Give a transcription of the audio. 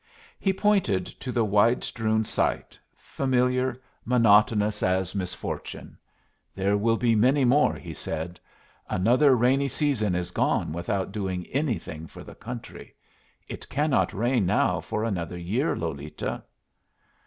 He pointed to the wide strewn sight, familiar, monotonous as misfortune. "There will be many more," he said. "Another rainy season is gone without doing anything for the country. It cannot rain now for another year, Lolita."